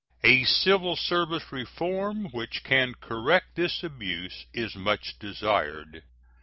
A civil service reform which can correct this abuse is much desired.